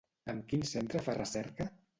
En quin centre fa recerca?